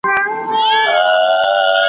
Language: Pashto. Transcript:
موږ په ازل کاږه پیدا یو نو بیا نه سمیږو !.